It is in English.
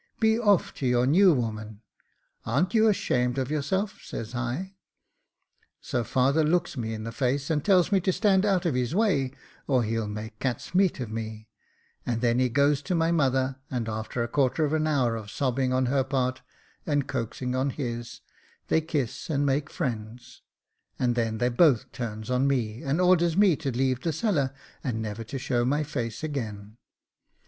Be off to your new woman. Ar'n't you ashamed of yourself ?' says I. So father looks me in the face, and tells me to stand out of his way, or he'll make cat's meat of me ; and then he goes to my mother, and after a quarter of an hour of sobbing on her part, and coaxing on his, they kiss and make friends : and then they both turns to me, and orders me to leave the cellar, and never to show my face again.